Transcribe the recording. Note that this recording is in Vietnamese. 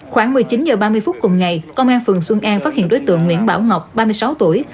khoảng một mươi chín h ba mươi phút cùng ngày công an phường xuân an phát hiện đối tượng nguyễn bảo ngọc ba mươi sáu tuổi